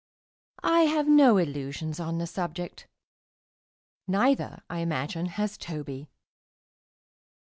I have no illusions on the subject; neither, I imagine, has Toby.